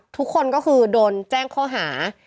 ทุกคนก็คือโดนแจ้งข้อหา